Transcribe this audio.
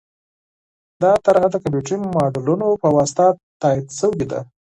دا طرحه د کمپیوټري ماډلونو په واسطه تایید شوې ده.